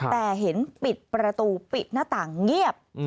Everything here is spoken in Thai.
แต่เห็นปิดประตูปิดหน้าต่างเงียบ